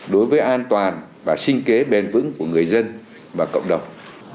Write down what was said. đối với an toàn và sinh kế bền vững của người dân và cộng đồng